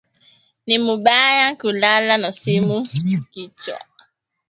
Ni mubaya kulala na simu ku kichwa